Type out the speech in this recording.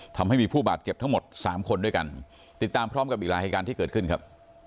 ทำให้มีผู้บาดเจ็บทั้งหมดสามคนด้วยกันติดตามพร้อมกับอีกหลายเหตุการณ์ที่เกิดขึ้นครับ